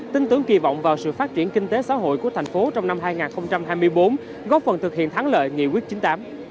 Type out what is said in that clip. tin tưởng kỳ vọng vào sự phát triển kinh tế xã hội của thành phố trong năm hai nghìn hai mươi bốn góp phần thực hiện thắng lợi nghị quyết chín mươi tám